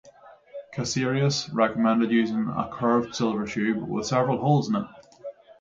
Casserius recommended using a curved silver tube with several holes in it.